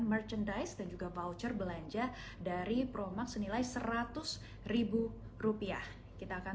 merchandise dan juga voucher belanja dari promak senilai seratus ribu rupiah kita akan